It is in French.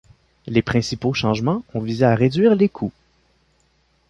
Les principaux changements ont visé à réduire les coûts.